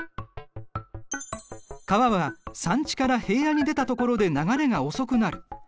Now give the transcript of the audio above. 川は山地から平野に出たところで流れが遅くなる。